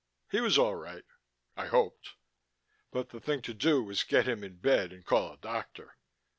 He was all right I hoped. But the thing to do was get him in bed and call a doctor.